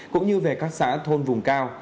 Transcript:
cũng như về các xã thôn vùng cao